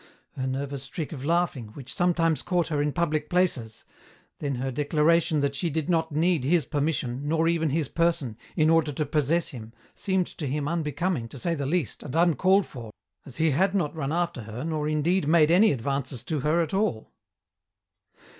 "Her nervous trick of laughing, which sometimes caught her in public places," then her declaration that she did not need his permission, nor even his person, in order to possess him, seemed to him unbecoming, to say the least, and uncalled for, as he had not run after her nor indeed made any advances to her at all.